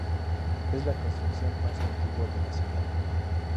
Es la construcción más antigua de la ciudad.